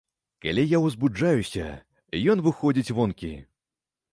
Калі я ўзбуджаюся, ён выходзіць вонкі.